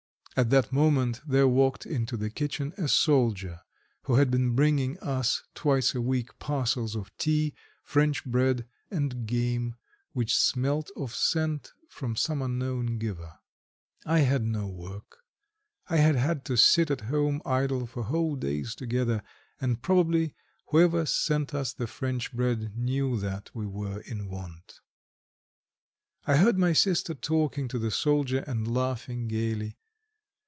At that moment there walked into the kitchen a soldier who had been bringing us twice a week parcels of tea, French bread and game, which smelt of scent, from some unknown giver. I had no work. I had had to sit at home idle for whole days together, and probably whoever sent us the French bread knew that we were in want. I heard my sister talking to the soldier and laughing gaily.